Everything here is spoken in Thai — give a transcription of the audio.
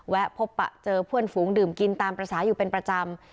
พบปะเจอเพื่อนฝูงดื่มกินตามภาษาอยู่เป็นประจำ